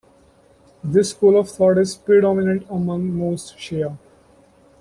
This school of thought is predominant among most Shia.